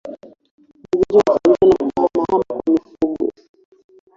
Ugonjwa unasababishwa na kuhamahama kwa mifugo